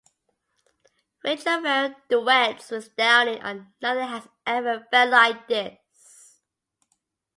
Rachelle Ferrell duets with Downing on "Nothing Has Ever Felt Like This".